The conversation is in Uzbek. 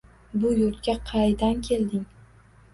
Bu yurtga qaydan kelding.